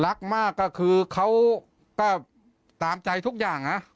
รักมากก็คือเขาก็ตามใจทุกอย่างนะ